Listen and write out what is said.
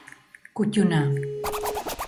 Kuttuna.